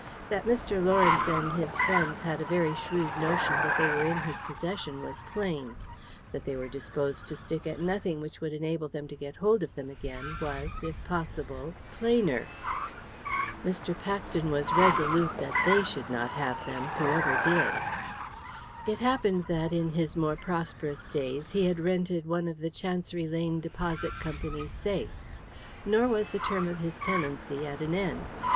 That Mr. Lawrence and his friends had a very shrewd notion that they were in his possession was plain; that they were disposed to stick at nothing which would enable them to get hold of them again was, if possible, plainer. Mr. Paxton was resolute that they should not have them, who ever did. It happened that, in his more prosperous days, he had rented one of the Chancery Lane Deposit Company's safes. Nor was the term of his tenancy at an end.